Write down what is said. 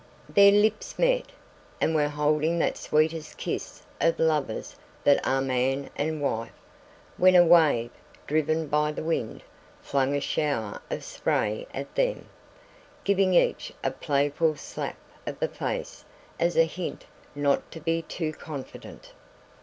Their lips met, and were holding that sweetest kiss of lovers that are man and wife, when a wave, driven by the wind, flung a shower of spray at them, giving each a playful slap of the face as a hint not to be too confident.